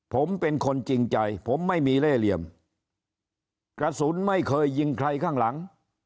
ผมเป็นคนจริงใจผมไม่มีเล่เหลี่ยมกระสุนไม่เคยยิงใครข้างหลัง